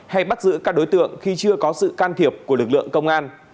hay bắt giữ các đối tượng khi chưa có sự can thiệp của lực lượng công an